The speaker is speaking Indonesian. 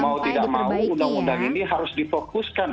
mau tidak mau undang undang ini harus di fokuskan